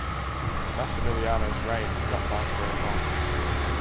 Massimiliano's reign did not last very long.